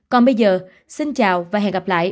còn bây giờ xin chào và hẹn gặp lại